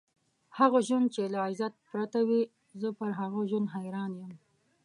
هغه ژوند چې له عزت پرته وي، زه پر هغه ژوند حیران یم.